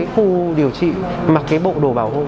khu điều trị mặc cái bộ đồ bảo hộ